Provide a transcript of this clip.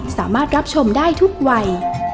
สามารถรับชมได้ทุกวัย